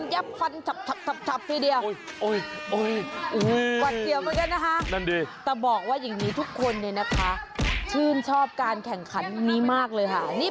ว่ากันว่านี่คือการแข่งขันคมเฉือนคม